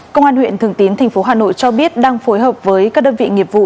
công an huyện thường tín tp hà nội cho biết đang phối hợp với các đơn vị nghiệp vụ